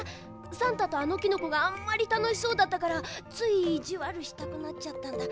さんたとあのキノコがあんまりたのしそうだったからついいじわるしたくなっちゃったんだ。